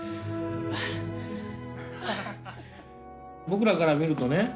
僕らから見るとね